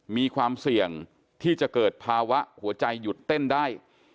มีความเสี่ยงที่จะเกิดภาวะหัวใจหยุดเต้นได้